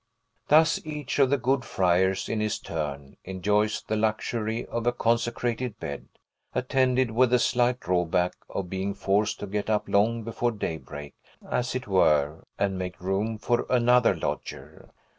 Thus, each of the good friars, in his turn, enjoys the luxury of a consecrated bed, attended with the slight drawback of being forced to get up long before daybreak, as it were, and make room for another lodger.